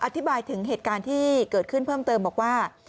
อธิบายถึงเหตุการณ์ที่เกิดขึ้นเพิ่มเติมบอกว่า